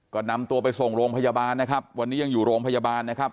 ก็นำตัวไปส่งโรงพยาบาลนะครับวันนี้ยังอยู่โรงพยาบาลนะครับ